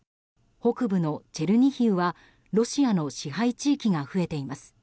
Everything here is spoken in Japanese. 北部のチェルニヒウはロシアの支配地域が増えています。